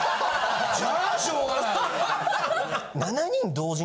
じゃあしょうがない。